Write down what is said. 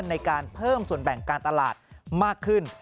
ในการเพิ่มส่วนแบ่งการตลาดมากขึ้น